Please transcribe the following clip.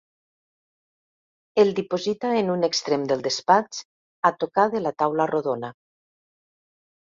El diposita en un extrem del despatx, a tocar de la taula rodona.